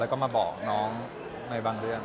แล้วก็มาบอกน้องในบางเรื่อง